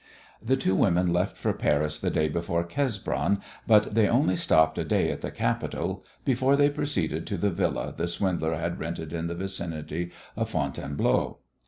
The two women left for Paris the day before Cesbron, but they only stopped a day at the capital before they proceeded to the Villa the swindler had rented in the vicinity of Fontainebleau.